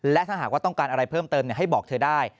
และถ้าหากว่าต้องการอะไรเพิ่มเติมให้บอกเธอได้